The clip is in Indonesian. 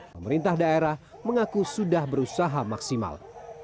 pemerintah daerah mengaku sudah berusaha maksimal